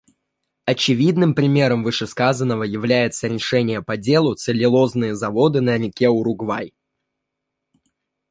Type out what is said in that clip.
Очевидным примером вышесказанного является решение по делу «Целлюлозные заводы на реке Уругвай».